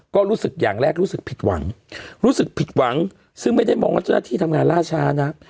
ก็รู้สึกอย่างแรกรู้สึกผิดหวังรู้สึกผิดหวังซึ่งไม่ได้มองว่าเจ้าหน้าที่ทำงานล่าช้านะ